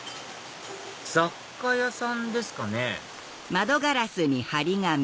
雑貨屋さんですかね？